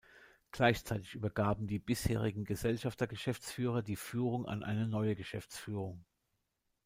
Gleichzeitig übergaben die bisherigen Gesellschafter-Geschäftsführer die Führung an eine neue Geschäftsführung.